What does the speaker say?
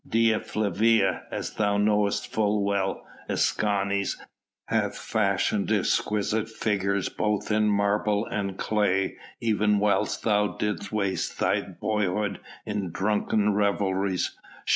"Dea Flavia, as thou knowest full well, Escanes, hath fashioned exquisite figures both in marble and in clay even whilst thou didst waste thy boyhood in drunken revelries.